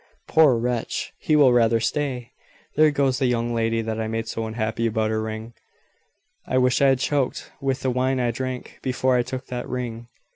'" "Poor wretch! he will rather say, `There goes the young lady that I made so unhappy about her ring. I wish I had choked with the wine I drank, before I took that ring!'